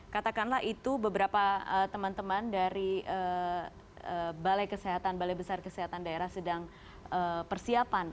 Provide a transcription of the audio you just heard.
katakanlah itu beberapa teman teman dari balai kesehatan balai besar kesehatan daerah sedang persiapan